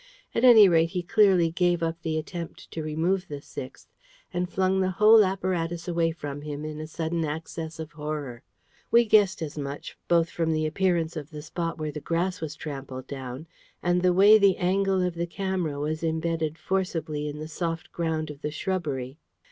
At any rate, he clearly gave up the attempt to remove the sixth, and flung the whole apparatus away from him in a sudden access of horror. We guessed as much both from the appearance of the spot where the grass was trampled down, and the way the angle of the camera was imbedded forcibly in the soft ground of the shrubbery."